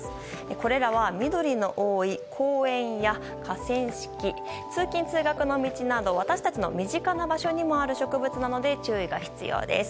これらは緑の多い公園や河川敷通勤・通学の道など私たちの身近な場所にもある植物なので注意が必要です。